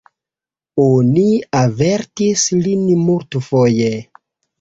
Oni avertis lin multfoje!